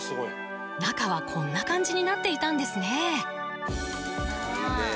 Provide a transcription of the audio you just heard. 中はこんな感じになっていたんですね